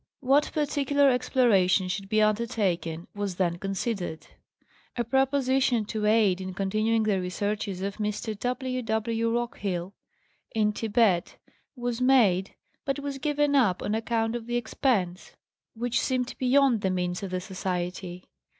What par ticular exploration should be undertaken was then considered. A proposition to aid in continuing the researches of Mr. W. W. Rockhill, m Thibet, was made but was given up on account of the expense, which seemed beyond the means of the Society.